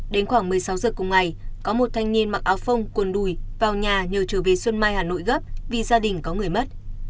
đến khoảng một mươi sáu giờ cùng ngày có một thanh niên mặc áo phông cuồn đùi vào nhà nhờ trở về xuân mai hà nội gấp vì gia đình có người mất